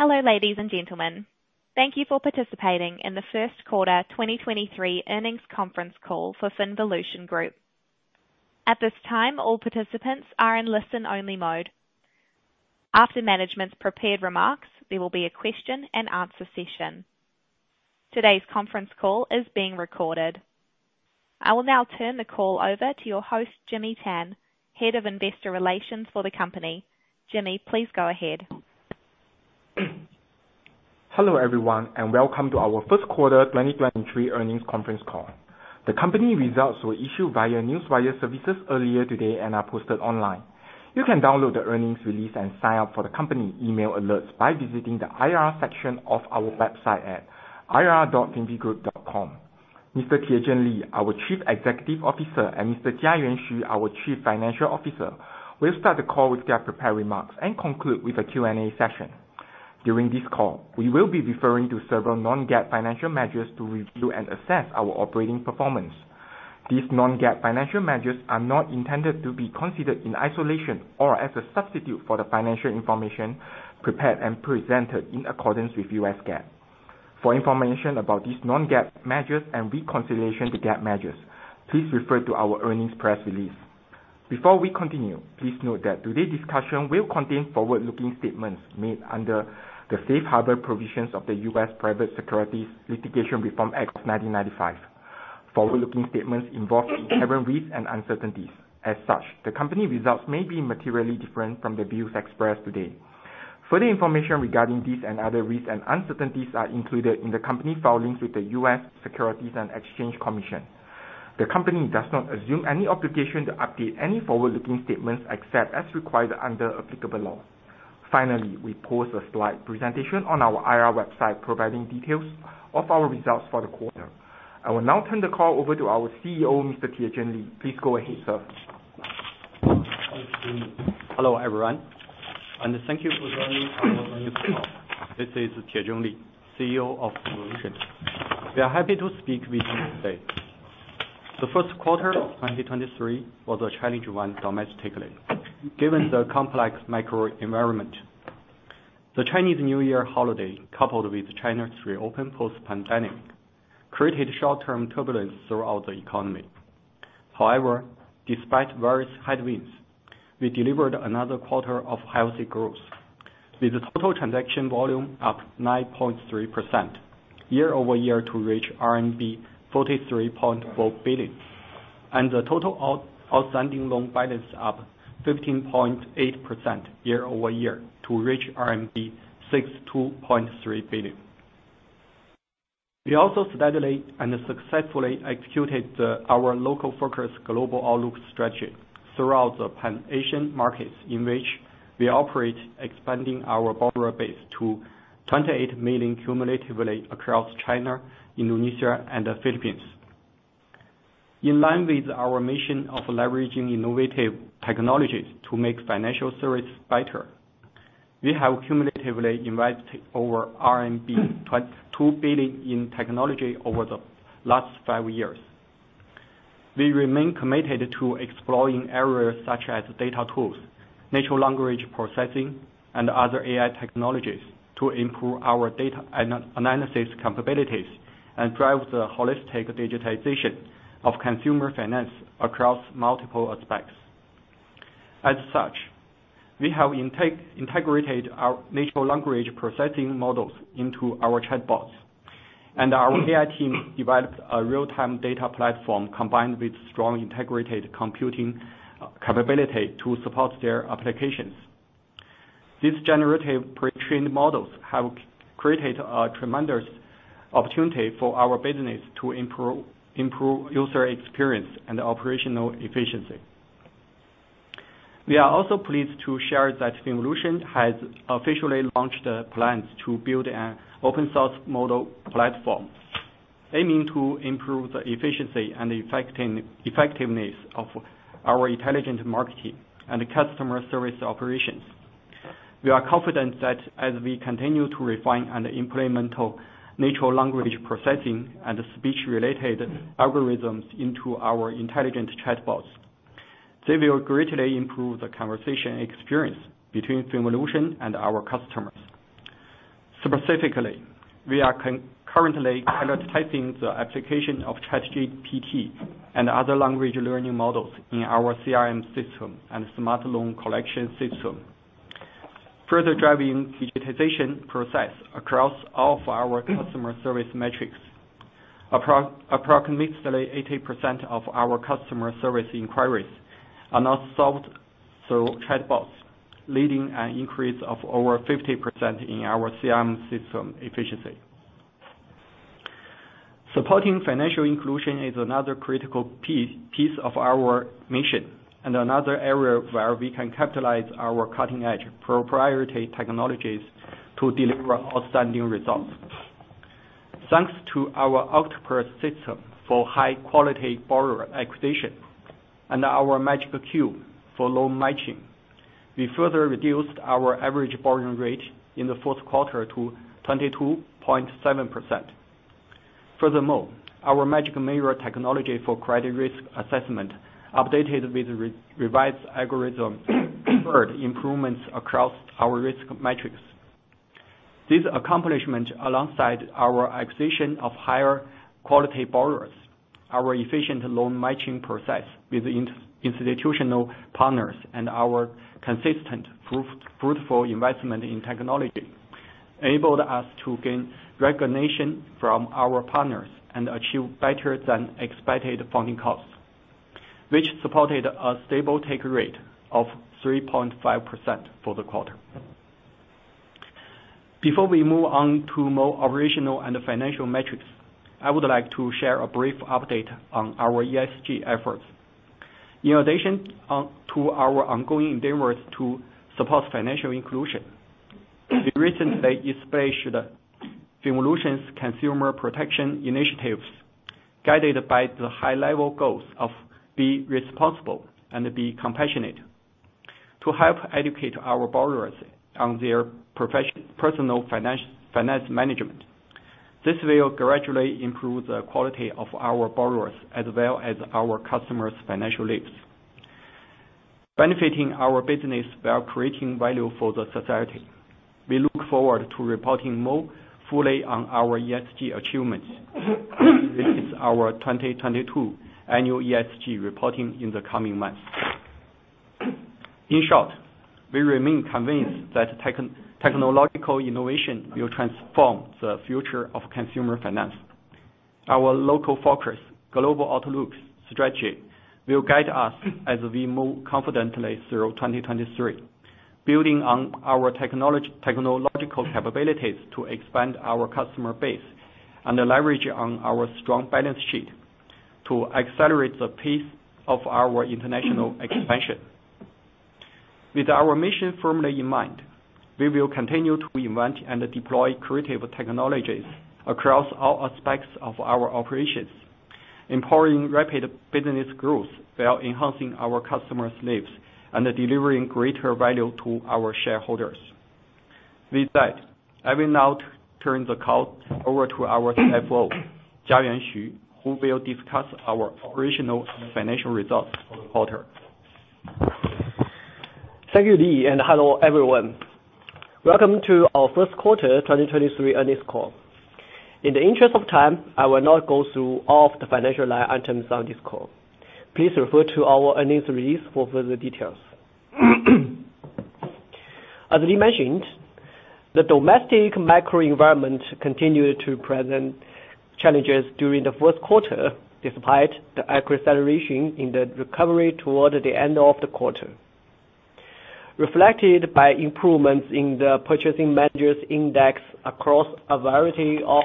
Hello, ladies and gentlemen. Thank you for participating in the First Quarter 2023 Earnings Conference Call for FinVolution Group. At this time, all participants are in listen-only mode. After management's prepared remarks, there will be a question-and-answer session. Today's conference call is being recorded. I will now turn the call over to your host, Jimmy Tan, Head of Investor Relations for the company. Jimmy, please go ahead. Hello, everyone, and welcome to our 1st Quarter 2023 Earnings Conference Call. The company results were issued via Newswire Services earlier today and are posted online. You can download the earnings release and sign up for the company email alerts by visiting the IR section of our website at ir.finvgroup.com. Mr. Tiezheng Li, our Chief Executive Officer, and Mr. Jiayuan Xu, our Chief Financial Officer, will start the call with their prepared remarks and conclude with a Q&A session. During this call, we will be referring to several non-GAAP financial measures to review and assess our operating performance. These non-GAAP financial measures are not intended to be considered in isolation or as a substitute for the financial information prepared and presented in accordance with US GAAP. For information about these non-GAAP measures and reconciliation to GAAP measures, please refer to our earnings press release. Before we continue, please note that today's discussion will contain forward-looking statements made under the Safe Harbor provisions of the US Private Securities Litigation Reform Act of 1995. Forward-looking statements involve inherent risks and uncertainties. As such, the company results may be materially different from the views expressed today. Further information regarding these and other risks and uncertainties are included in the company filings with the US Securities and Exchange Commission. The company does not assume any obligation to update any forward-looking statements except as required under applicable law. Finally, we post a slide presentation on our IR website providing details of our results for the quarter. I will now turn the call over to our CEO, Mr. Tiezheng Li. Please go ahead, sir. Hello, everyone, thank you for joining this call. This is Tiezheng Li, CEO of FinVolution. We are happy to speak with you today. The first quarter of 2023 was a challenging one domestically, given the complex microenvironment. The Chinese New Year holiday, coupled with China's reopen post-pandemic, created short-term turbulence throughout the economy. However, despite various headwinds, we delivered another quarter of healthy growth with total transaction volume up 9.3% year-over-year to reach RMB 43.4 billion. The total outstanding loan balance up 15.8% year-over-year to reach RMB 62.3 billion. We also steadily and successfully executed our Local Focus, Global Outlook strategy throughout the Pan-Asian markets in which we operate, expanding our borrower base to 28 million cumulatively across China, Indonesia, and the Philippines. In line with our mission of leveraging innovative technologies to make financial service better, we have cumulatively invested over 2 billion RMB in technology over the last five years. We remain committed to exploring areas such as data tools, natural language processing, and other AI technologies to improve our data analysis capabilities and drive the holistic digitization of consumer finance across multiple aspects. As such, we have integrated our natural language processing models into our chatbots. Our AI team developed a real-time data platform combined with strong integrated computing capability to support their applications. These generative pre-trained models have created a tremendous opportunity for our business to improve user experience and operational efficiency. We are also pleased to share that FinVolution has officially launched the plans to build an open source model platform, aiming to improve the efficiency and effectiveness of our intelligent marketing and customer service operations. We are confident that as we continue to refine and implement natural language processing and speech-related algorithms into our intelligent chatbots, they will greatly improve the conversation experience between FinVolution and our customers. Specifically, we are currently prototyping the application of ChatGPT and other language learning models in our CRM system and smart loan collection system, further driving digitization process across all of our customer service metrics. Approximately 80% of our customer service inquiries are now solved through chatbots, leading an increase of over 50% in our CRM system efficiency. Supporting financial inclusion is another critical piece of our mission, and another area where we can capitalize our cutting-edge proprietary technologies to deliver outstanding results. Thanks to our Octopus system for high-quality borrower acquisition and our Magic Cube for loan matching, we further reduced our average borrowing rate in the fourth quarter to 22.7%. Furthermore, our Magic Mirror technology for credit risk assessment, updated with revised algorithm, referred improvements across our risk matrix. This accomplishment, alongside our acquisition of higher quality borrowers, our efficient loan matching process with institutional partners, and our consistent fruitful investment in technology, enabled us to gain recognition from our partners and achieve better than expected funding costs, which supported a stable take rate of 3.5% for the quarter. Before we move on to more operational and financial metrics, I would like to share a brief update on our ESG efforts. In addition, to our ongoing endeavors to support financial inclusion, we recently expressed FinVolution's consumer protection initiatives guided by the high-level goals of be responsible and be compassionate. To help educate our borrowers on their personal finance management. This will gradually improve the quality of our borrowers as well as our customers' financial lives. Benefiting our business while creating value for the society. We look forward to reporting more fully on our ESG achievements as we release our 2022 annual ESG reporting in the coming months. In short, we remain convinced that technological innovation will transform the future of consumer finance. Our Local Focus, Global Outlook strategy will guide us as we move confidently through 2023, building on our technological capabilities to expand our customer base and leverage on our strong balance sheet to accelerate the pace of our international expansion. With our mission firmly in mind, we will continue to invent and deploy creative technologies across all aspects of our operations, empowering rapid business growth while enhancing our customers' lives and delivering greater value to our shareholders. With that, I will now turn the call over to our CFO, Jiayuan Xu, who will discuss our operational financial results for the quarter. Thank you, Li. Hello, everyone. Welcome to our first quarter 2023 earnings call. In the interest of time, I will not go through all of the financial line items on this call. Please refer to our earnings release for further details. As Li mentioned, the domestic macro environment continued to present challenges during the first quarter, despite the acceleration in the recovery toward the end of the quarter. Reflected by improvements in the Purchasing Managers' Index across a variety of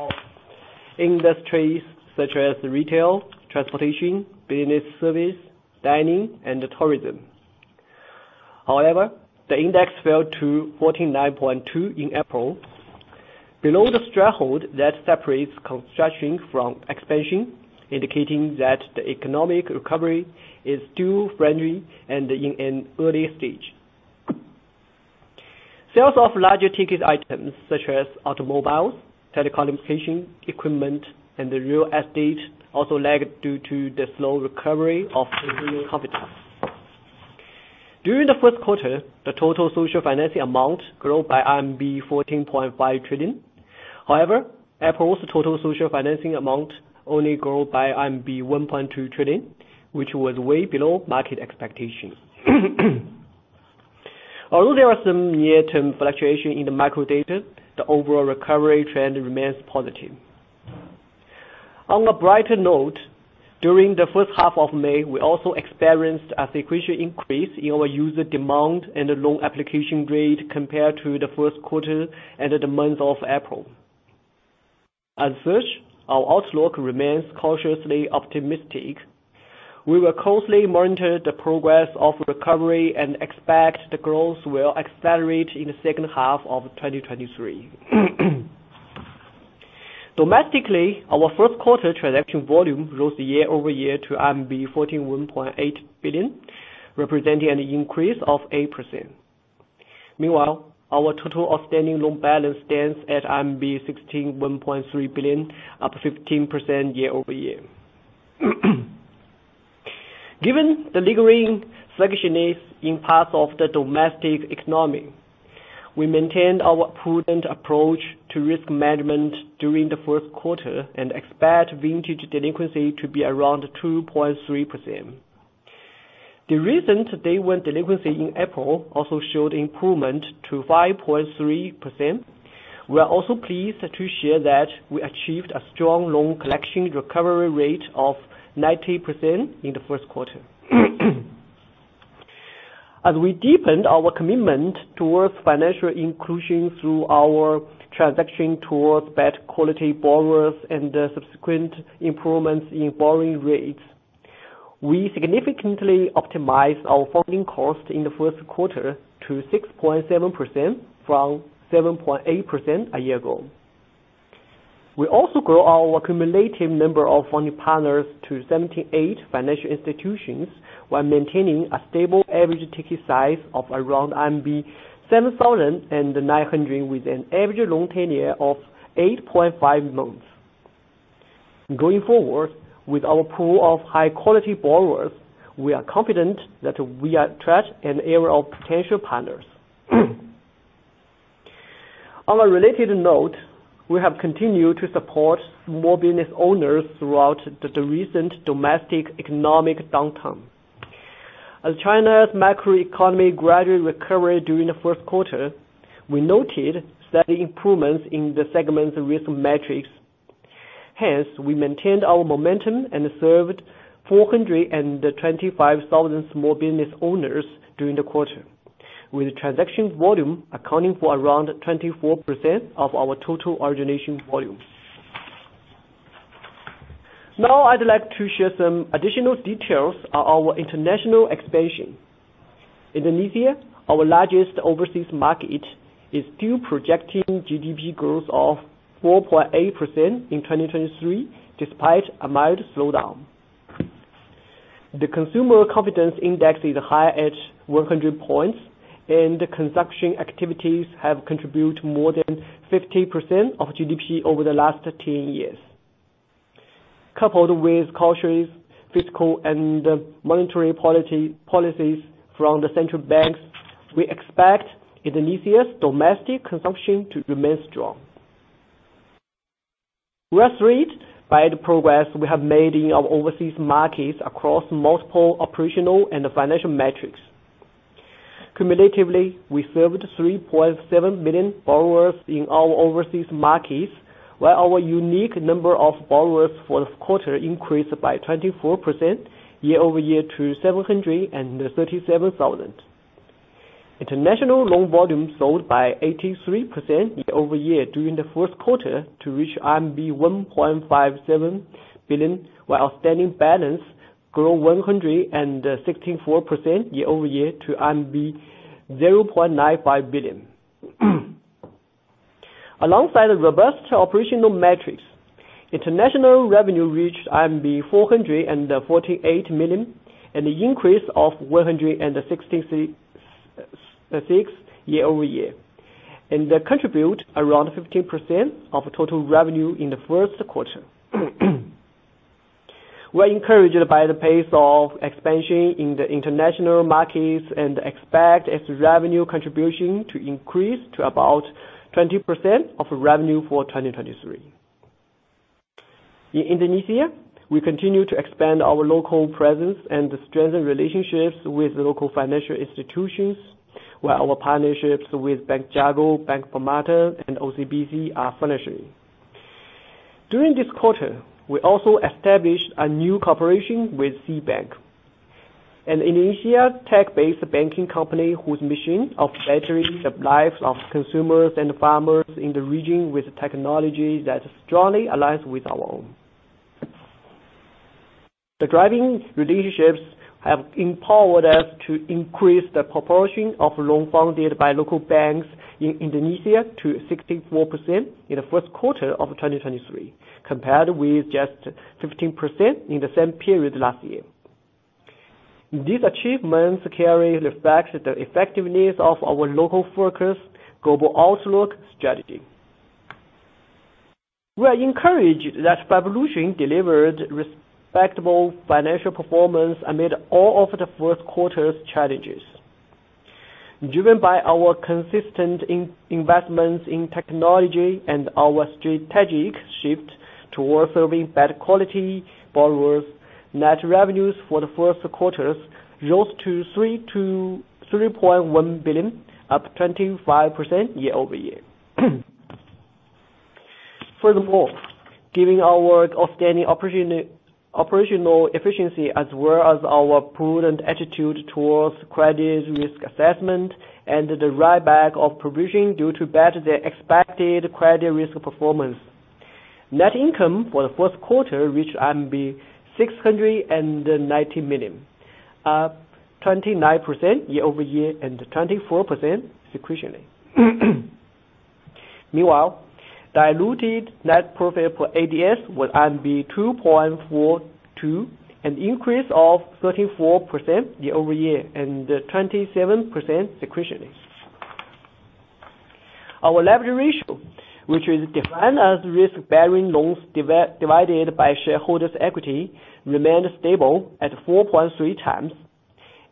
industries such as retail, transportation, business service, dining, and tourism. The index fell to 49.2 in April, below the threshold that separates construction from expansion, indicating that the economic recovery is still fragile and in an early stage. Sales of larger ticket items such as automobiles, telecommunication equipment, and real estate also lagged due to the slow recovery of the real capital. During the first quarter, the total social financing amount grew by RMB 14.5 trillion. April's total social financing amount only grew by RMB 1.2 trillion, which was way below market expectations. There are some near-term fluctuation in the macro data, the overall recovery trend remains positive. On a brighter note, during the first half of May, we also experienced a sequential increase in our user demand and loan application rate compared to the first quarter and the month of April. Our outlook remains cautiously optimistic. We will closely monitor the progress of recovery and expect the growth will accelerate in the second half of 2023. Domestically, our first quarter transaction volume rose year-over-year to RMB 41.8 billion, representing an increase of 8%. Meanwhile, our total outstanding loan balance stands at 61.3 billion, up 15% year-over-year. Given the lingering sluggishness in parts of the domestic economy, we maintained our prudent approach to risk management during the first quarter and expect vintage delinquency to be around 2.3%. The recent day one delinquency in April also showed improvement to 5.3%. We are also pleased to share that we achieved a strong loan collection recovery rate of 90% in the first quarter. As we deepened our commitment towards financial inclusion through our transaction towards bad quality borrowers and subsequent improvements in borrowing rates, we significantly optimized our funding cost in the first quarter to 6.7% from 7.8% a year ago. We also grew our cumulative number of funding partners to 78 financial institutions while maintaining a stable average ticket size of around 7,900, with an average loan tenure of 8.5 months. With our pool of high quality borrowers, we are confident that we attract an era of potential partners. On a related note, we have continued to support small business owners throughout the recent domestic economic downturn. China's macro economy gradually recovered during the first quarter, we noted steady improvements in the segment's risk metrics. We maintained our momentum and served 425,000 small business owners during the quarter, with transaction volume accounting for around 24% of our total origination volume. I'd like to share some additional details on our international expansion. Indonesia, our largest overseas market, is still projecting GDP growth of 4.8% in 2023 despite a mild slowdown. The Consumer Confidence Index is high at 100 points, and consumption activities have contributed more than 50% of GDP over the last 10 years. Coupled with cautious fiscal and monetary policy, policies from the central banks, we expect Indonesia's domestic consumption to remain strong. We are thrilled by the progress we have made in our overseas markets across multiple operational and financial metrics. Cumulatively, we served 3.7 million borrowers in our overseas markets, while our unique number of borrowers for the quarter increased by 24% year-over-year to 737,000. International loan volume sold by 83% year-over-year during the first quarter to reach RMB 1.57 billion, while outstanding balance grew 164% year-over-year to 0.95 billion. Alongside the robust operational metrics, international revenue reached 448 million, an increase of 166% year-over-year, and contribute around 15% of total revenue in the first quarter. We are encouraged by the pace of expansion in the international markets and expect its revenue contribution to increase to about 20% of revenue for 2023. In Indonesia, we continue to expand our local presence and strengthen relationships with local financial institutions, while our partnerships with Bank Jago, Bank Permata, and OCBC are flourishing. During this quarter, we also established a new cooperation with SeaBank, an Indonesia tech-based banking company whose mission of bettering the lives of consumers and farmers in the region with technology that strongly aligns with our own. The driving relationships have empowered us to increase the proportion of loans funded by local banks in Indonesia to 64% in the first quarter of 2023, compared with just 15% in the same period last year. These achievements clearly reflects the effectiveness of our Local Focus, Global Outlook strategy. We are encouraged that FinVolution delivered respectable financial performance amid all of the first quarter's challenges. Driven by our consistent in-investments in technology and our strategic shift towards serving better quality borrowers, net revenues for the first quarters rose to 3 billion-3.1 billion, up 25% year-over-year. Furthermore, giving our outstanding operational efficiency as well as our prudent attitude towards credit risk assessment and the write-back of provision due to better than expected credit risk performance. Net income for the first quarter reached RMB 690 million, up 29% year-over-year and 24% sequentially. Meanwhile, diluted net profit per ADS was 2.42, an increase of 34% year-over-year and 27% sequentially. Our leverage ratio, which is defined as risk-bearing loans divided by shareholders' equity, remained stable at 4.3 times,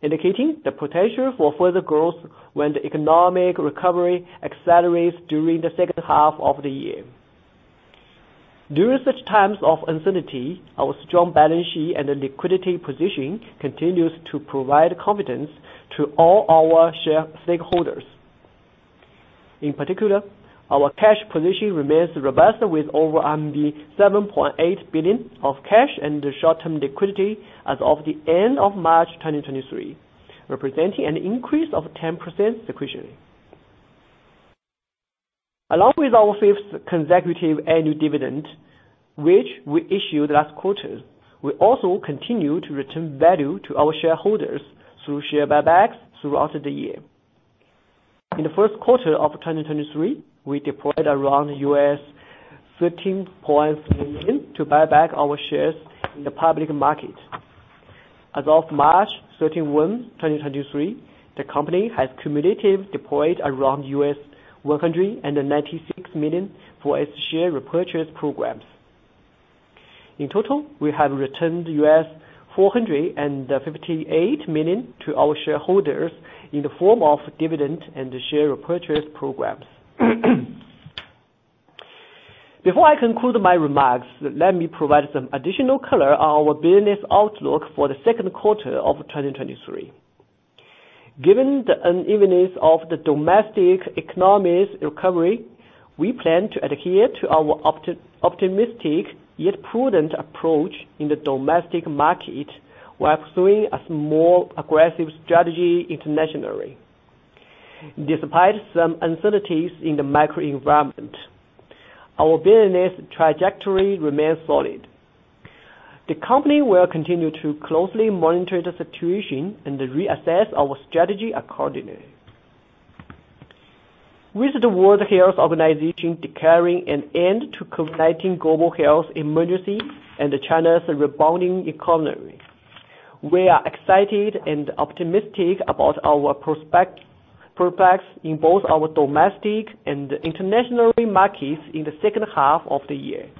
indicating the potential for further growth when the economic recovery accelerates during the second half of the year. During such times of uncertainty, our strong balance sheet and liquidity position continues to provide confidence to all our stakeholders. In particular, our cash position remains robust with over 7.8 billion of cash and short-term liquidity as of the end of March 2023, representing an increase of 10% sequentially. Along with our fifth consecutive annual dividend, which we issued last quarter, we also continue to return value to our shareholders through share buybacks throughout the year. In the first quarter of 2023, we deployed around $13 million to buy back our shares in the public market. As of March 31, 2023, the company has cumulative deployed around $196 million for its share repurchase programs. In total, we have returned $458 million to our shareholders in the form of dividend and share repurchase programs. Before I conclude my remarks, let me provide some additional color on our business outlook for the second quarter of 2023. Given the unevenness of the domestic economic recovery, we plan to adhere to our optimistic yet prudent approach in the domestic market, while pursuing a more aggressive strategy internationally. Despite some uncertainties in the macro environment, our business trajectory remains solid. The company will continue to closely monitor the situation and reassess our strategy accordingly. With the World Health Organization declaring an end to COVID-19 global health emergency and China's rebounding economy, we are excited and optimistic about our prospects in both our domestic and international markets in the second half of the year.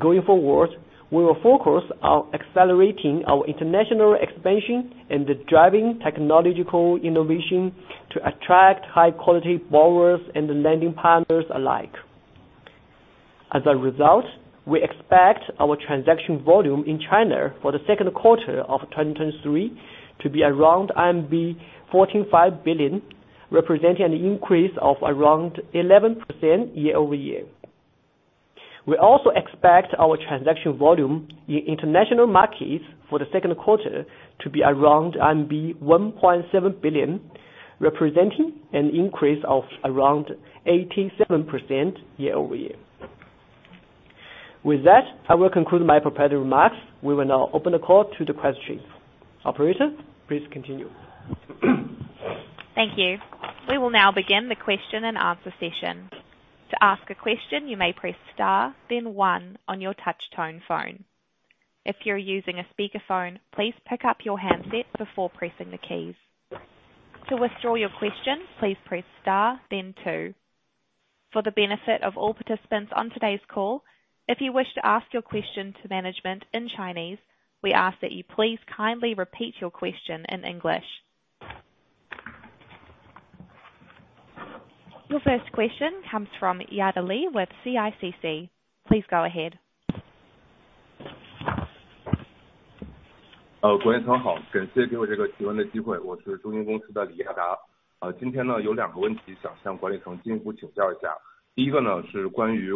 Going forward, we will focus on accelerating our international expansion and driving technological innovation to attract high quality borrowers and lending partners alike. As a result, we expect our transaction volume in China for the second quarter of 2023 to be around 45 billion, representing an increase of around 11% year-over-year. We also expect our transaction volume in international markets for the second quarter to be around 1.7 billion, representing an increase of around 87% year-over-year. With that, I will conclude my prepared remarks. We will now open the call to the questions. Operator, please continue. Thank you. We will now begin the question and answer session. To ask a question, you may press star then one on your touchtone phone. If you're using a speakerphone, please pick up your handset before pressing the keys. To withdraw your question, please press star then two. For the benefit of all participants on today's call, if you wish to ask your question to management in Chinese, we ask that you please kindly repeat your question in English. Your first question comes from Yada Li with CICC. Please go ahead. 呃， 管理层 好， 感谢给我这个提问的机 会， 我是中信公司的李雅达。呃， 今天 呢， 有两个问题想向管理层进一步请教一下。第一个 呢， 是关于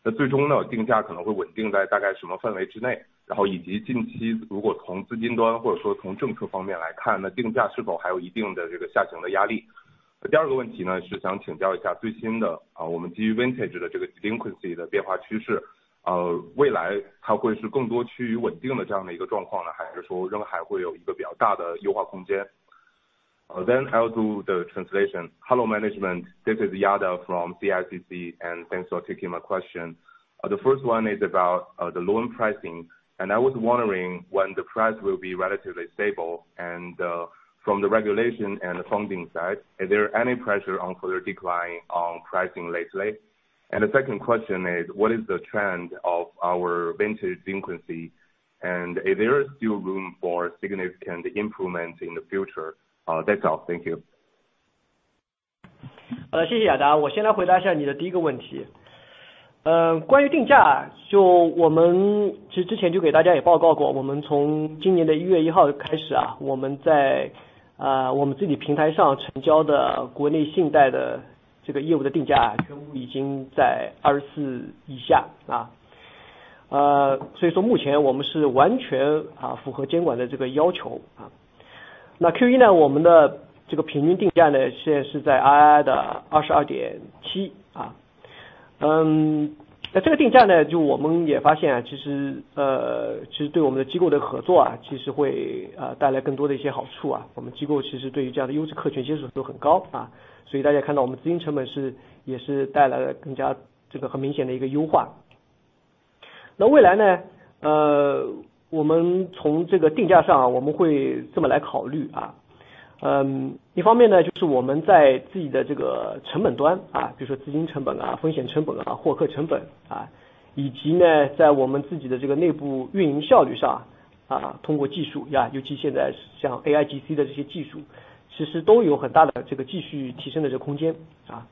我们未来定价的这个变 化， 是否还会有一定的这种下 行？ 那最终 呢， 定价可能会稳定在大概什么范围之 内？ 然后以及近期如果从资金端或者说从政策方面来 看， 那定价是否还有一定的这个下行的压 力？ 那第二个问题 呢， 是想请教一下最新 的， 啊我们基于 vintage 的这个 delinquency 的变化趋 势， 呃， 未来还会是更多趋于稳定的这样的一个状况 呢？ 还是说仍然还会有一个比较大的优化空间 ？Then I'll do the translation. Hello management, this is Yada Li from CICC. Thanks for taking my question. The first one is about the loan pricing and I was wondering when the price will be relatively stable and, from the regulation and the funding side, is there any pressure on further decline on pricing lately? The second question is, what is the trend of our vintage delinquency? Is there still room for significant improvement in the future? That's all. Thank you. 好 的， 谢谢雅 达， 我先来回答一下你的第一个问题。呃， 关于定 价， 就我们其实之前就给大家也报告 过， 我们从今年的一月一号开始 啊， 我们 在， 啊我们自己平台上成交的国内信贷的这个业务的定价 啊， 全部已经在24以下啊。呃， 所以说目前我们是完全啊符合监管的这个要求啊。那 Q1 呢， 我们的这个平均定价 呢， 现在是在 II 的二十二点七啊。嗯， 那这个定价 呢， 就我们也发现 啊， 其 实， 呃， 其实对我们的机构的合作 啊， 其实 会， 呃， 带来更多的一些好处啊。我们机构其实对于这样的优质客源接受度都很高 啊， 所以大家看到我们资金成本是也是带来了更加这个很明显的一个优化。那未来 呢， 呃，我们从这个定价上 啊， 我们会这么来考虑啊。嗯， 一方面 呢， 就是我们在自己的这个成本 端， 啊， 比如说资金成本 啊， 风险成本 啊， 获客成本 啊， 以及 呢， 在我们自己的这个内部运营效率上 啊， 通过技术 呀， 尤其现在像 AIGC 的这些技 术， 其实都有很大的这个继续提升的这个空间啊。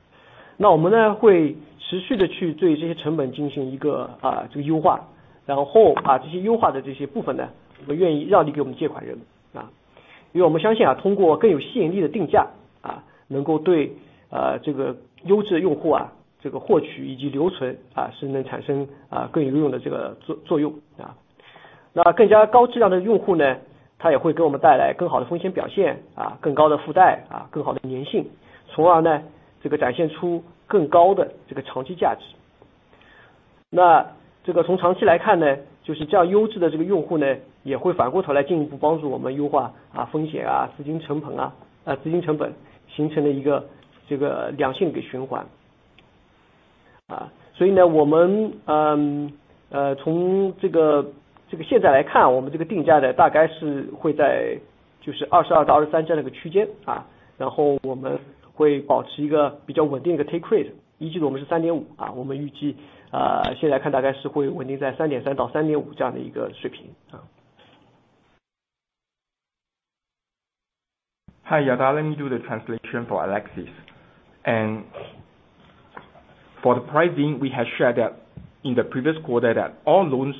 那我们 呢， 会持续地去对这些成本进行一 个， 啊这个优化，然后把这些优化的这些部分 呢， 我愿意让利给我们借款人啊。因为我们相信 啊， 通过更有吸引力的定价 啊， 能够 对， 呃， 这个优质的用户 啊， 这个获取以及留存啊是能产 生， 呃， 更有效的这个作-作用啊。那更加高质量的用户 呢， 他也会给我们带来更好的风险表 现， 啊， 更高的负 债， 啊， 更好的粘 性， 从而呢这个展现出更高的这个长期价值。那这个从长期来看 呢， 就是这样优质的这个用户 呢， 也会反过头来进一步帮助我们优化啊风险 啊， 资金承鹏 啊， 呃资金成 本， 形成了一个这个两性给循环。啊， 所以 呢， 我 们， 呃， 从这 个， 这个现在来 看， 我们这个定价的大概是会在就是二十二到二十三这样的一个区 间， 啊， 然后我们会保持一个比较稳定的 take rate， 一季度我们是三点 五， 啊， 我们预计， 啊， 现在看大概是会稳定在三点三到三点五这样的一个水 平， 啊。Hi, Yada, let me do the translation forJiayuan. For the pricing we have shared that in the previous quarter that all loans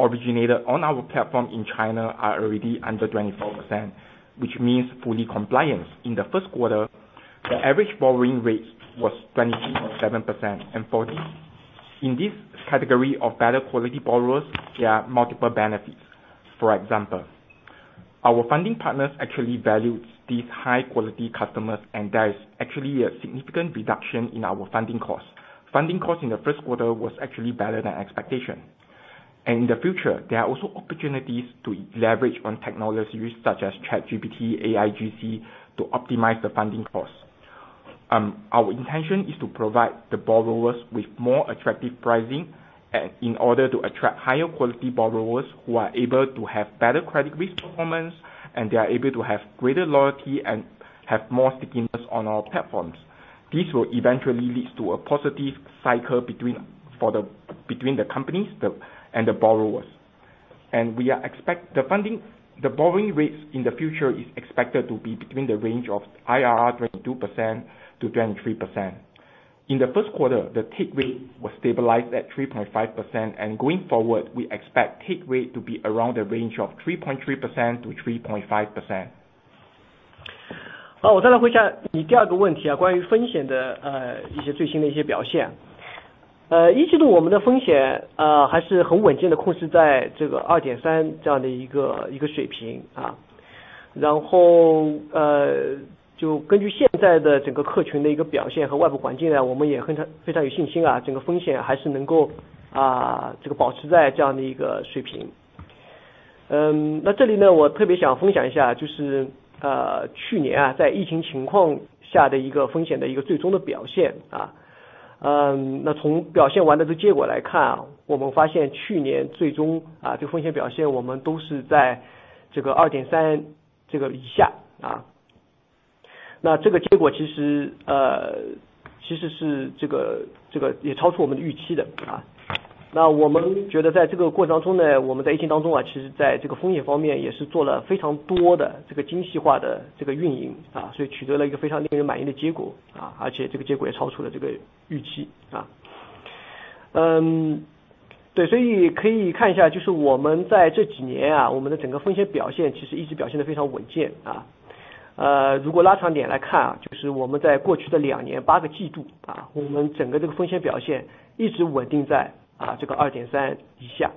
originated on our platform in China are already under 24%, which means fully compliance. In the first quarter, the average borrowing rate was 27% and 40%. In this category of better quality borrowers, there are multiple benefits. For example, our funding partners actually values these high quality customers and there is actually a significant reduction in our funding costs. Funding cost in the first quarter was actually better than expectation. In the future, there are also opportunities to leverage on technologies such as ChatGPT, AIGC to optimize the funding costs. Our intention is to provide the borrowers with more attractive pricing and in order to attract higher quality borrowers who are able to have better credit risk performance, and they are able to have greater loyalty and have more stickiness on our platforms. This will eventually leads to a positive cycle between the companies and the borrowers. We are expect the borrowing rates in the future is expected to be between the range of IRR 22%-23%. In the first quarter, the take rate was stabilized at 3.5%, and going forward we expect take rate to be around the range of 3.3%-3.5%. 好, 我再来回答你第2个问 题, 关于风险的一些最新的一些表 现. 一季度我们的风险还是很稳健地控制在这个 2.3% 这样的一个水 平. 就根据现在的整个客群的一个表现和外部环境 呢, 我们非常有信 心, 整个风险还是能够保持在这样的一个水 平. 这里 呢, 我特别想分享一 下, 就是去年在疫情情况下的一个风险的一个最终的表 现. 从表现完的这个结果来 看, 我们发现去年最 终, 这个风险表现我们都是在这个 2.3% 以 下. 这个结果其实也超出我们预期 的. 我们觉得在这个过程中 呢, 我们在疫情当 中, 其实在这个风险方面也是做了非常多的这个精细化的这个运 营, 所以取得了一个非常令人满意的结 果, 而且这个结果也超出了这个预 期. 对, 可以看一 下, 就是我们在这几 年, 我们的整个风险表现其实一直表现得非常稳 健. 如果拉长点来 看, 就是我们在过去的2年8个 季度, 我们整个这个风险表现一直稳定在 2.3% 以 下.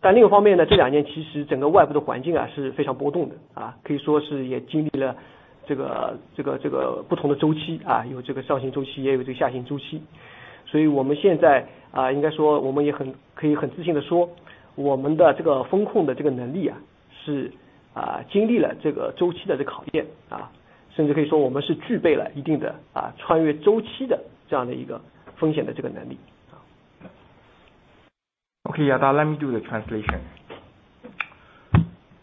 但另一方面 呢, 这2年其实整个外部的环境是非常波动 的, 可以说是也经历了这个不同的周 期, 有这个上行周 期, 也有这个下行周 期. 我们现在应该说可以很自信地 说, 我们的这个风控的这个能力是经历了这个周期的这个考 验. 甚至可以说我们是具备了一定的穿越周期的这样的一个风险的这个能 力. Okay, Yada, let me do the translation.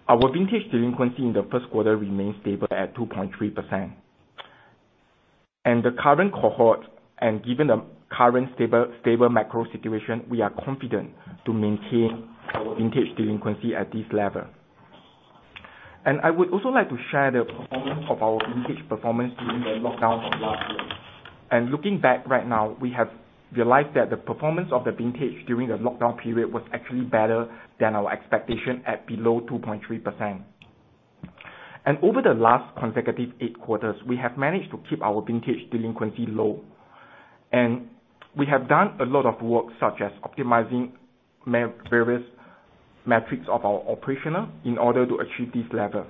Our vintage delinquency in the first quarter remained stable at 2.3%. The current cohort and given the current stable macro situation, we are confident to maintain our vintage delinquency at this level. I would also like to share the performance of our vintage during the lockdown of last year. Looking back right now, we have realized that the performance of the vintage during the lockdown period was actually better than our expectation at below 2.3%. Over the last consecutive eight quarters, we have managed to keep our vintage delinquency low. we have done a lot of work such as optimizing various metrics of our operational in order to achieve this level.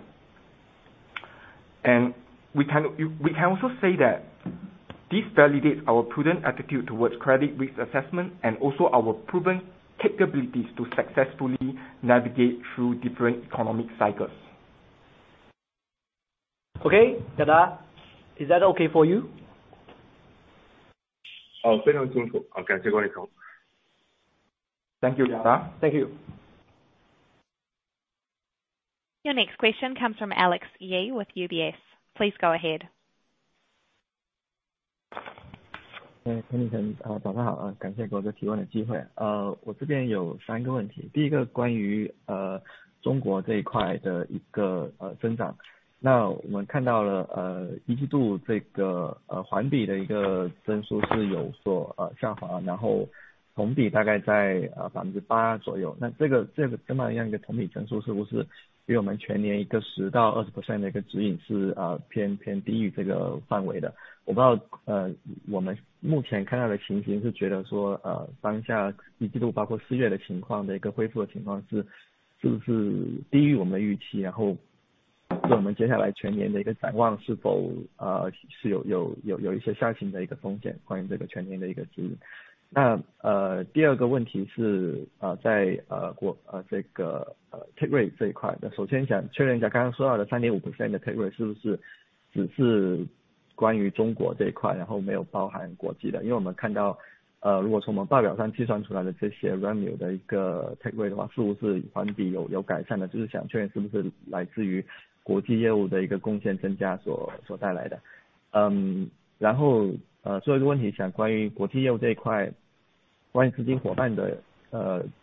we can also say that this validates our prudent attitude towards credit risk assessment and also our proven capabilities to successfully navigate through different economic cycles. Okay, Yada, is that okay for you? 哦, 非常清 楚, OK, 谢谢各 位. Thank you, Yada. Thank you. Your next question comes from Alex Ye with UBS. Please go ahead. Alex Ye, 早上好。感谢给我这个提问的机会。我这边有三个问题。第一个关于中国这一块的一个增长。那我们看到了 Q1 这个环比的一个增速是有所下 滑， 然后同比大概在 8% 左右。那这个增长这样一个同比增速是不是比我们全年一个 10%-20% 的一个指引是偏低于这个范围的。我不知道我们目前看到的情形是觉得说当下 Q1 包括四月的情 况， 这个恢复的情况是不是低于我们的预 期， 然后我们接下来全年的一个展望是否是有一些下行的一个风 险， 关于这个全年的一个指引。那第二个问题是在这个 take rate 这一块的。首先想确认一下刚刚说到的 3.5% 的 take rate 是不是只是关于中国这一 块， 然后没有包含国际的。因为我们看到如果从我们报表上计算出来的这些 revenue 的一个 take rate 的 话， 数是环比有改善 的， 就是想确认是不是来自于国际业务的一个贡献增加所带来的。然后最后一个问 题， 想关于国际业务这一 块， 关于资金伙伴的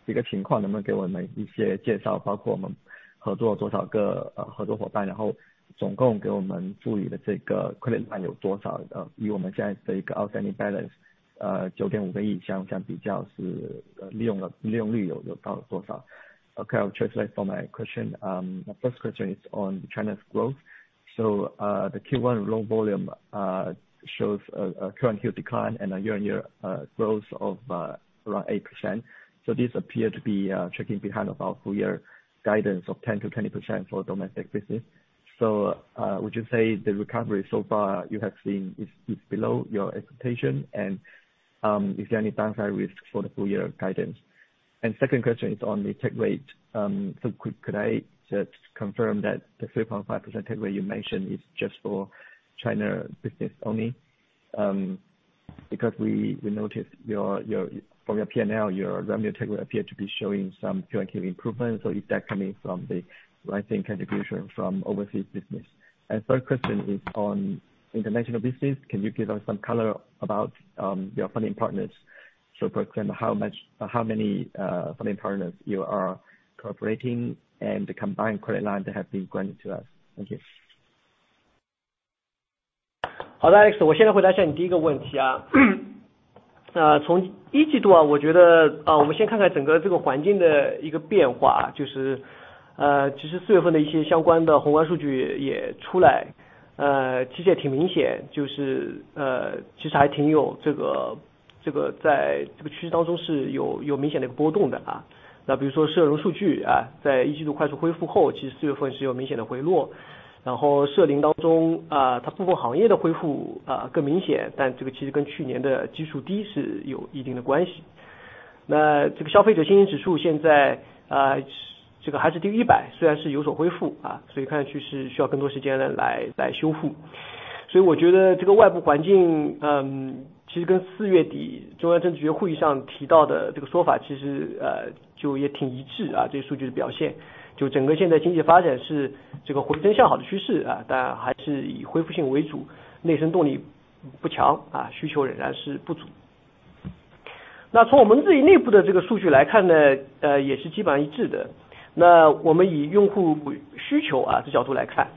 这个情况能不能给我们一些介 绍， 包括我们合作了多少个合作伙 伴， 然后总共给我们赋予的这个 credit line 有多 少， 以我们现在这个 outstanding balance， RMB 950 million 比较是利用率有到多少。Okay, I'll translate for my question. The first question is on China's growth. The Q1 loan volume shows a current year decline and a year-on-year growth of around 8%. This appear to be checking behind of our full year guidance of 10%-20% for domestic business. Would you say the recovery so far you have seen is below your expectation? Is there any downside risks for the full year guidance? Second question is on the take rate. Could I just confirm that the 3.5% rate you mentioned is just for China business only? Because we noticed your, from your P&L, your revenue take appear to be showing some QoQ improvement. Is that coming from the rising contribution from overseas business? Third question is on international business. Can you give us some color about your funding partners? For example, how much, how many funding partners you are cooperating and combined credit line that have been granted to us? Thank you. 好的 ，Alex， 我现在回答一下你第一个问题啊。那从一季度 啊， 我觉 得， 啊我们先看看整个这个环境的一个变 化， 就 是， 呃， 其实四月份的一些相关的宏观数据 也， 也出 来， 呃， 其实也挺明 显， 就 是， 呃， 其实还挺有这 个， 这个在这个趋势当中是 有， 有明显的一个波动的啊。那比如说社融数据 啊， 在一季度快速恢复 后， 其实四月份是有明显的回落，然后涉零当 中， 啊， 它部分行业的恢 复， 啊更明 显， 但这个其实跟去年的基数低是有一定的关系。那这个消费者信心指数现 在， 啊， 这个还是低于一 百， 虽然是有所恢复 啊， 所以看上去是需要更多时间 来， 来修复。所以我觉得这个外部环 境， 嗯， 其实跟四月底中央政治局会议上提到的这个说 法， 其 实， 呃， 就也挺一 致， 啊， 这个数据的表 现， 就整个现在经济发展是这个回升向好的趋 势， 啊， 但还是以恢复性为 主， 内生动力不 强， 啊， 需求仍然是不足。那从我们自己内部的这个数据来看 呢， 呃， 也是基本一致的。那我们以用户需求啊这角度来 看，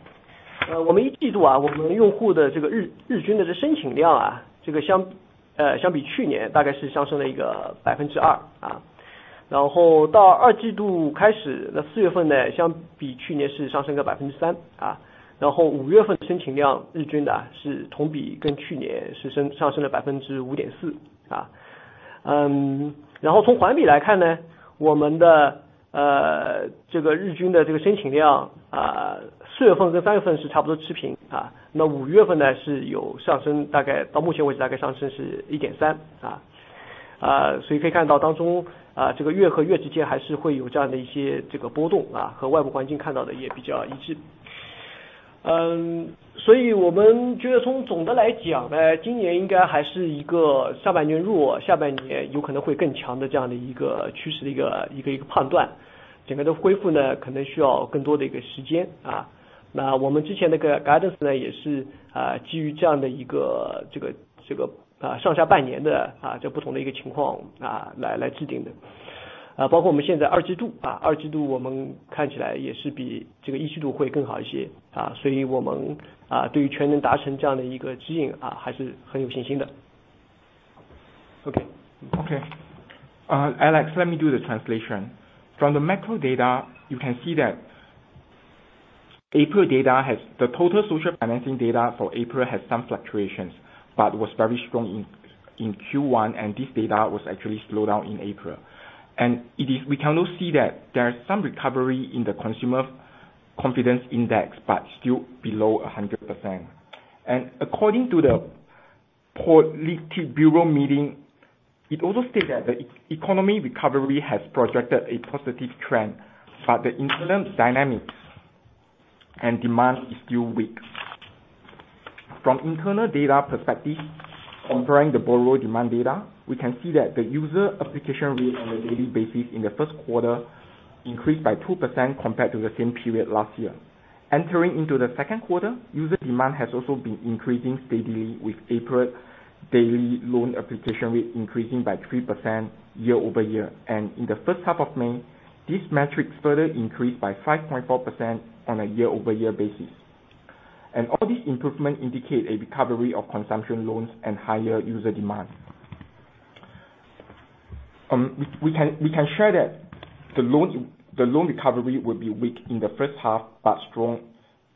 呃， 我们一季度 啊， 我们用户的这个 日， 日均的这个申请量 啊， 这个 相， 呃， 相比去年大概是上升了一个百分之二啊。然后到二季度开 始， 那四月份 呢， 相比去年是上升了百分之三 啊， 然后五月份申请量日均的是同 比， 跟去年是 升， 上升了百分之五点四啊。嗯， 然后从环比来看 呢， 我们 的， 呃， 这个日均的这个申请 量， 啊， 四月份跟三月份是差不多持平 啊， 那五月份呢是有上 升， 大概到目前为止大概上升是一点三啊。呃， 所以可以看到当 中， 啊， 这个月和月之间还是会有这样的一些这个波动 啊， 和外部环境看到的也比较一致。嗯， 所以我们觉得从总的来讲 呢， 今年应该还是一个上半年 弱， 下半年有可能会更强的这样的一个趋势的一 个， 一 个， 一个判断。整个的恢复 呢， 可能需要更多的一个时间啊。那我们之前那个 guidance 呢也 是， 啊基于这样的一 个， 这 个， 这 个， 啊， 上下半年 的， 啊， 这不同的一个情况 啊， 来， 来制定的。啊包括我们现在二季 度， 啊， 二季度我们看起来也是比这个一季度会更好一 些， 啊， 所以我 们， 啊， 对于全年达成这样的一个指引 啊， 还是很有信心的。Okay。Okay。Alex Ye, let me do the translation. From the macro data, you can see that April data has the total social financing data for April has some fluctuations, but was very strong in Q1, and this data was actually slow down in April. It is we can now see that there is some recovery in the Consumer Confidence Index, but still below 100%. According to the Politburo meeting, it also states that the economy recovery has projected a positive trend, but the internal dynamics and demand is still weak. From internal data perspective, comparing the borrow demand data, we can see that the user application rate on a daily basis in the first quarter increased by 2% compared to the same period last year. Entering into the second quarter, user demand has also been increasing steadily, with April daily loan application rate increasing by 3% year-over-year. In the first half of May, this metric further increased by 5.4% on a year-over-year basis. All these improvements indicate a recovery of consumption loans and higher user demand. We can share that the loan recovery will be weak in the first half, but strong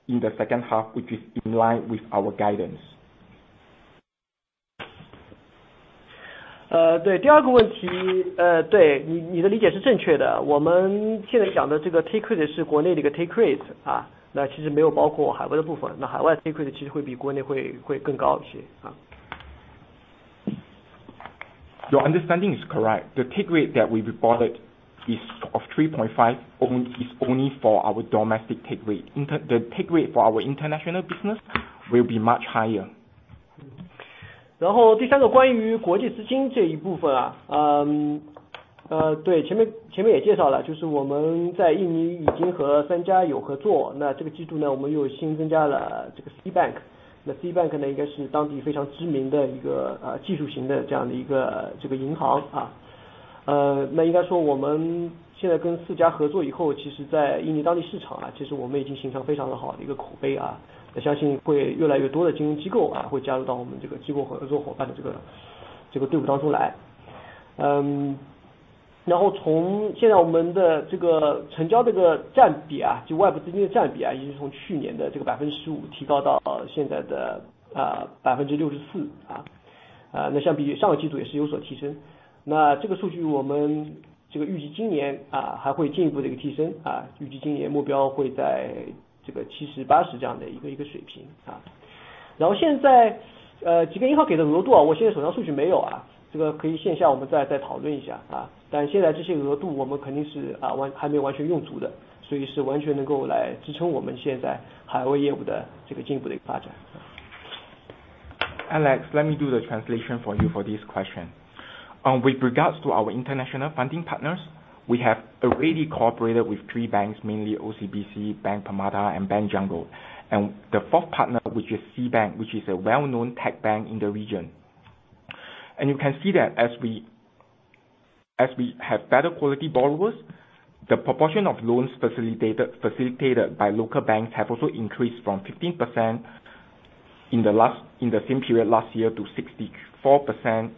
in the second half, which is in line with our guidance. 呃 对， 第二个问 题， 呃， 对， 你， 你的理解是正确的。我们现在讲的这个 take rate 是国内的一个 take rate， 啊， 那其实没有包括海外的部 分， 那海外的 take rate 其实会比国内 会， 会更高一 些， 啊。Your understanding is correct. The take rate that we reported is of 3.5% only, is only for our domestic take rate. The take rate for our international business will be much higher. 然后第三个关于国际资金这一部分 啊， 呃， 对， 前 面， 前面也介绍 了， 就是我们在印尼已经和三家有合 作， 那这个季度 呢， 我们又新增加了这个 SeaBank， 那 SeaBank 呢， 应该是当地非常知名的一个 呃， 技术型的这样的一个这个银行 啊， 呃， 那应该说我们现在跟四家合作以 后， 其实在印尼当地市场 啊， 其实我们已经形成非常好的一个口碑 啊， 我相信会越来越多的金融机构 啊， 会加入到我们这个机构合作伙伴的这 个， 这个队伍当中来。嗯， 然后从现在我们的这个成交这个占比 啊， 就外部资金的占比 啊， 已经从去年的这个百分之十五提高到现在的 呃， 百分之六十四 啊， 呃， 那相比于上个季度也是有所提升。那这个数据我们这个预计今年 啊， 还会进一步的提升 啊， 预计今年目标会在这个七十八十这样的一 个， 一个水平啊。然后现 在， 呃， 几家银行给的额度 啊， 我现在手上数据没有 啊， 这个可以线下我们 再， 再讨论一下 啊， 但现在这些额度我们肯定是 啊， 还， 还没有完全用足 的， 所以是完全能够来支撑我们现在海外业务的这个进一步的发展。Alex, let me do the translation for you for this question. With regards to our international funding partners, we have already cooperated with three banks, mainly OCBC, Bank Permata and Bank Jago, and the fourth partner, which is SeaBank, which is a well-known tech bank in the region. You can see that as we have better quality borrowers, the proportion of loans facilitated by local banks have also increased from 15% in the same period last year to 64%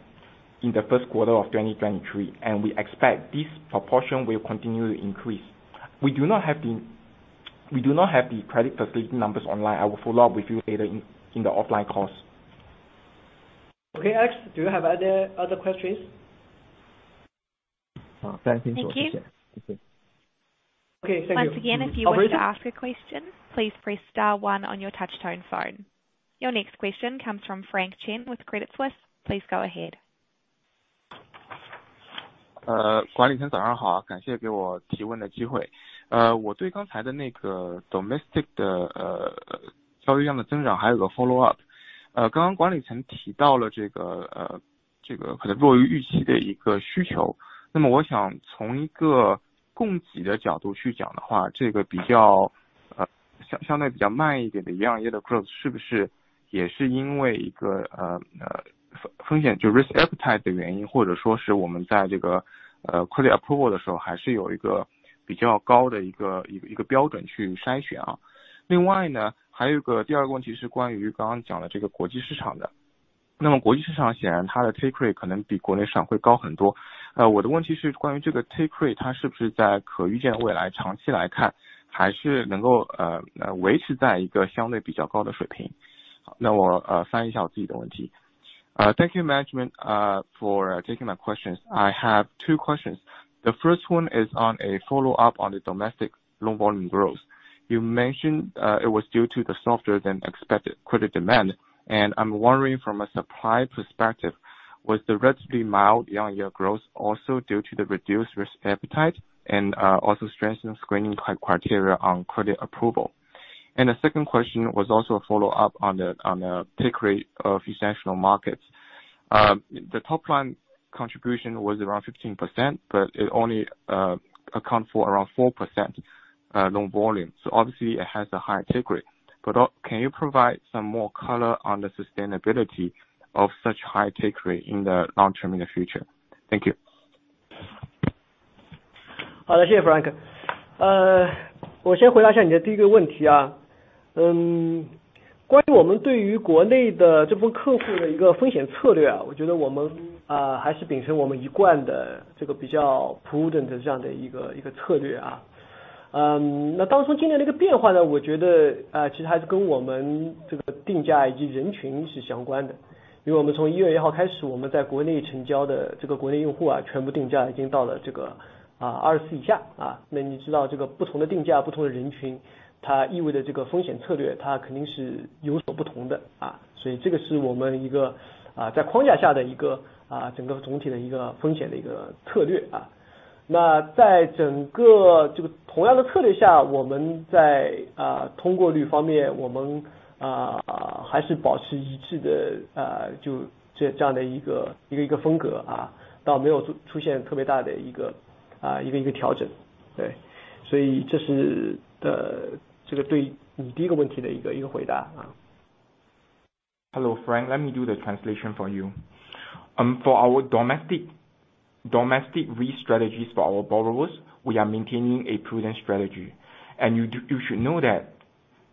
in the first quarter of 2023. We expect this proportion will continue to increase. We do not have the credit facility numbers online. I will follow up with you later in the offline course. OK, Alex, do you have other questions? thank you so Thank you. Thank you. Once again, if you want to ask a question, please press star one on your touchtone phone. Your next question comes from Frank Zheng with Credit Suisse. Please go ahead. 管理层早上好，感谢给我提问的机会。我对刚才的那个 domestic 的销量增长还有一个 follow up。刚刚管理层提到了这个可能低于预期的一个需求，那么我想从一个供给的角度去讲的话，这个比较相对比较慢一点的 year-on-year growth 是不是也是因为一个风险就是 risk appetite 的原因，或者说是在这个 credit approval 的时候还是有一个比较高的一个标准去筛选啊？另外呢，还有一个第二个问题是关于刚刚讲的这个国际市场的，那么国际市场显然它的 take rate 可能比国内市场会高很多。我的问题是关于这个 take rate，它是不是在可预见的未来长期来看还是能够维持在一个相对比较高的水平？那我翻译一下我自己的问题. Thank you Management for taking my questions. I have two questions. The first one is on a follow up on the domestic loan volume growth. You mentioned it was due to the softer than expected credit demand, I'm wondering from a supply perspective, was the relatively mild year-over-year growth also due to the reduced risk appetite and also strengthened screening criteria on credit approval. The second question was also a follow up on the take rate of international markets. The top line contribution was around 15%, but it only account for around 4% loan volume. obviously it has a higher take rate. Can you provide some more color on the sustainability of such high take rate in the long term in the future? Thank you. 好 的， 谢谢 Frank。呃， 我先回答一下你的第一个问题啊。嗯， 关于我们对于国内的这部分客户的一个风险策略 啊， 我觉得我们 呃， 还是秉承我们一贯的这个比较 prudent 的这样的一 个， 一个策略啊。嗯， 那当初今年这个变化 呢， 我觉得 呃， 其实还是跟我们这个定价以及人群是相关的，因为我们从一月一号开 始， 我们在国内成交的这个国内用户 啊， 全部定价已经到了这个啊二十以下啊。那你知道这个不同的定 价， 不同的人 群， 它意味着这个风险策略它肯定是有所不同的 啊， 所以这个是我們一个 呃， 在框架下的一个 呃， 整个总体的一个风险的一个策略啊。那在整个这个同样的策略 下， 我们在 呃， 通过率方 面， 我们 呃， 还是保持一致 的， 呃， 就 这， 这样的一 个， 一 个， 一个风格 啊， 倒没有 出， 出现特别大的一个 呃， 一 个， 一个调整。对。所以这是 呃， 这个对你第一个问题的一 个， 一个回答啊。Hello Frank Zheng, let me do the translation for you. For our domestic risk strategies for our borrowers, we are maintaining a prudent strategy. You should know that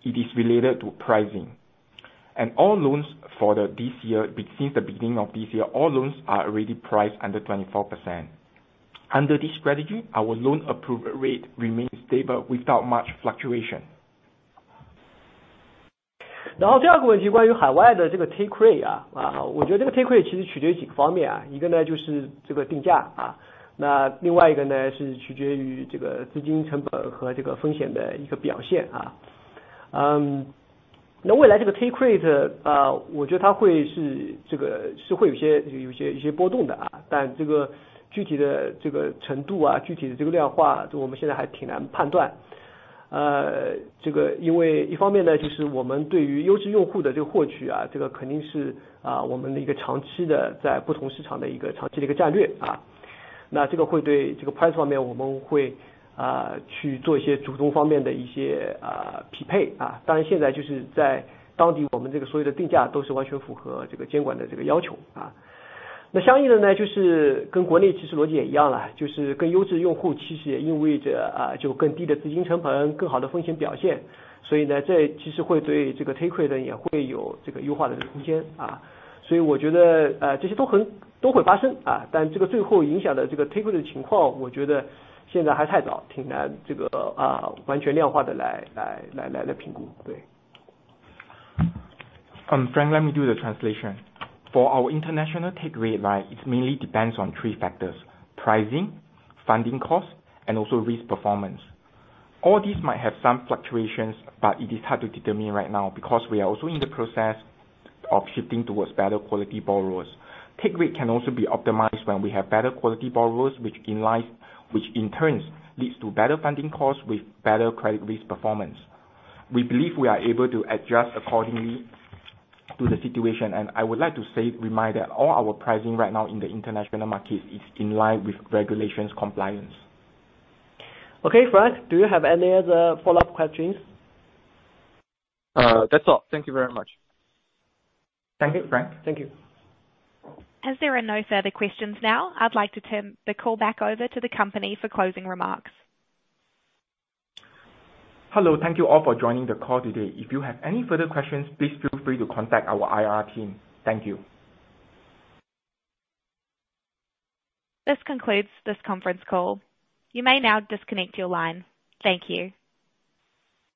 it is related to pricing. All loans for the this year, since the beginning of this year, all loans are already priced under 24%. Under this strategy, our loan approval rate remains stable without much fluctuation. 第二个问题关于海外的这个 take rate， 我觉得这个 take rate 其实取决于几个方 面， 一个呢就是这个定 价， 另外一个呢是取决于这个资金成本和这个风险的一个表现。未来这个 take rate， 我觉得它会是这个是会有些波动 的， 但这个具体的这个程 度， 具体的这个量化我们现在还挺难判 断， 这个因为一方面 呢， 就是我们对于优质用户的获 取， 这个肯定是我们一个长期的在不同市场的一个长期的一个战略。这个会对这个 price 方 面， 我们会去做一些主动方面的一些匹配。当然现在就是在当 地， 我们这个所有的定价都是完全符合这个监管的这个要求。相应的 呢， 就是跟国内其实逻辑也一样 啦， 就是更优质用 户， 其实也意味着就更低的资金成 本， 更好的风险表现。在其实会对这个 take rate 也会有这个优化的空间。我觉 得， 这些都很都会发 生， 但这个最后影响的这个 take rate 的情 况， 我觉得现在还太 早， 挺难这个完全量化的来评 估， 对。Frank, let me do the translation. For our international take rate, right, it's mainly depends on three factors: pricing, funding cost, and also risk performance. All these might have some fluctuations, but it is hard to determine right now because we are also in the process of shifting towards better quality borrowers. Take rate can also be optimized when we have better quality borrowers which in turn leads to better funding costs with better credit risk performance. We believe we are able to adjust accordingly to the situation, and I would like to remind that all our pricing right now in the international market is in line with regulations compliance. Okay, Frank, do you have any other follow-up questions? That's all. Thank you very much. Thank you, Frank. Thank you. As there are no further questions now, I'd like to turn the call back over to the company for closing remarks. Hello, thank you all for joining the call today. If you have any further questions, please feel free to contact our IR team. Thank you. This concludes this conference call. You may now disconnect your line. Thank you.